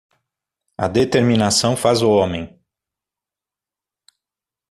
A determinação faz o homen.